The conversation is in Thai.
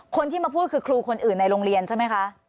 คนที่มาพูดคือครูคนอื่นในโรงเรียนใช่ไหมคะ